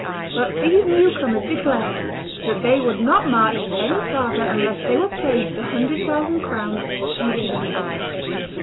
But these new comers declared that they would not march any farther unless they were paid the hundred thousand crowns due to them.